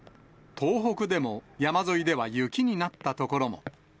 東北でも、山沿いでは雪になった所も。